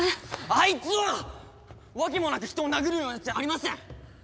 あいつは訳もなく人を殴るようなやつじゃありません！